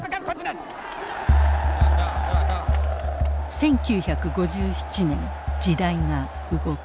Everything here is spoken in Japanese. １９５７年時代が動く。